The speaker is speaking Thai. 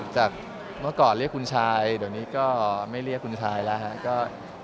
จากเมื่อก่อนเรียกคุณชายเดี๋ยวนี้ก็ไม่เรียกคุณชายแล้วครับ